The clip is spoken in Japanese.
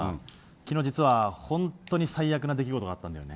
昨日、実は本当に最悪な出来事があったんだよね。